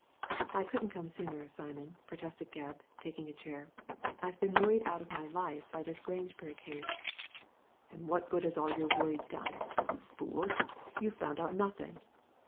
" I couldn't come sooner, Simon," protested Gebb, taking a chair, " IVe been worried out of my life by this Grangebury case." "And what good has all your worry done, you fool ? You've found out nothing."